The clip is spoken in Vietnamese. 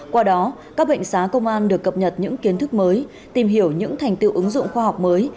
qua đó các bệnh xá công an được cập nhật những kiến thức mới tìm hiểu những thành tiệu ứng dụng khoa học mới